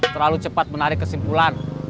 terlalu cepat menarik kesimpulan